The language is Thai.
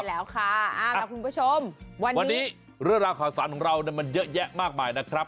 แล้วค่ะเอาล่ะคุณผู้ชมวันนี้เรื่องราวข่าวสารของเรามันเยอะแยะมากมายนะครับ